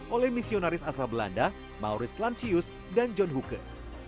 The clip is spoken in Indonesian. oleh misionaris asal belanda maurice lancius dan john hooker